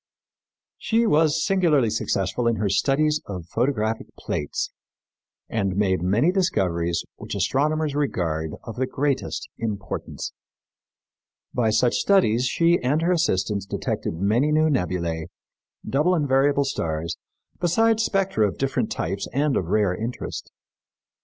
She was singularly successful in her studies of photographic plates and made many discoveries which astronomers regard of the greatest importance. By such studies she and her assistants detected many new nebulæ, double and variable stars, besides spectra of different types and of rare interest.